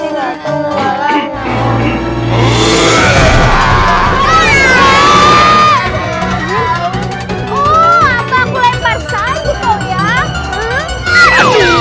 enggak love apa aku lempar sangup oh ya